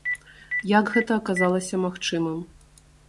Як гэта аказалася магчымым?